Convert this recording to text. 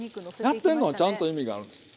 やってんのはちゃんと意味があるんです